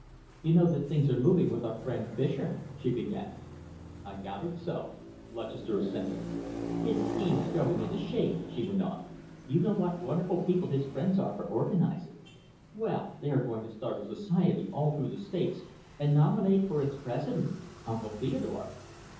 "You know that things are moving with our friend Fischer?" she began. "I gathered so," Lutchester assented. "His scheme is growing into shape," she went on. "You know what wonderful people his friends are for organising. Well, they are going to start a society all through the States and nominate for its president Uncle Theodore."